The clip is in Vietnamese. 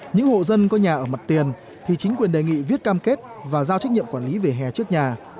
những hộ dân có nhà ở mặt tiền thì chính quyền đề nghị viết cam kết và giao trách nhiệm quản lý về hè trước nhà